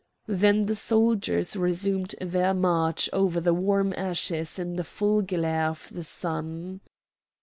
Then the soldiers resumed their march over the warm ashes in the full glare of the sun.